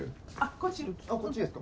こっちですか？